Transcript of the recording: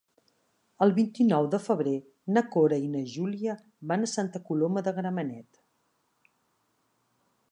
El vint-i-nou de febrer na Cora i na Júlia van a Santa Coloma de Gramenet.